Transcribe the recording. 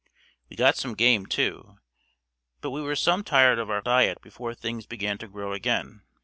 We got some game too, but we were some tired of our diet before things began to grow again.